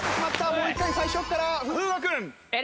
もう一回最初から風雅君！